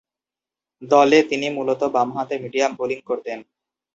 দলে তিনি মূলতঃ বামহাতে মিডিয়াম বোলিং করতেন।